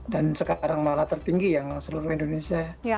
dan sekarang malah tertinggi yang seluruh indonesia